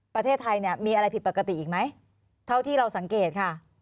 ประเทศไทยเนี่ยมีอะไรผิดปกติอีกไหมเท่าที่เราสังเกตค่ะ